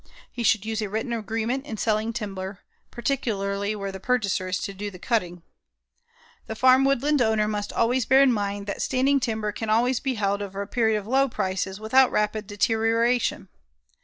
He should use a written agreement in selling timber, particularly where the purchaser is to do the cutting. The farm woodland owner must always bear in mind that standing timber can always be held over a period of low prices without rapid deterioration.